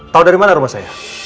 tahu dari mana rumah saya